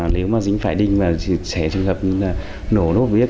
nếu mà dính phải đinh và sẽ trường hợp nổ nốt viết